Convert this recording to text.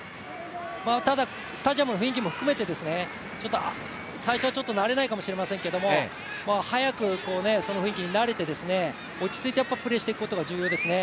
ただスタジアムの雰囲気も含めてちょっと最初は慣れないかもしれませんけれども、早くその雰囲気に慣れて落ち着いてプレーしていくことが、やっぱり重要ですね。